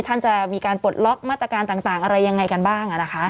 ท่านจะมีการปลดล็อกมาตรการต่างอะไรยังไงกันบ้าง